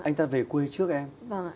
anh ta về quê trước em